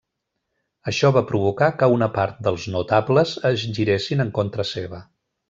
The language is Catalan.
Això va provocar que una part dels notables es giressin en contra seva.